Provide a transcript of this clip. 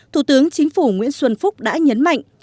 thủ tướng chính phủ nguyễn xuân phúc đã nhấn mạnh